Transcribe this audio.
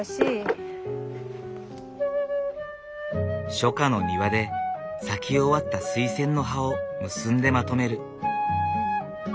初夏の庭で咲き終わったスイセンの葉を結んでまとめる。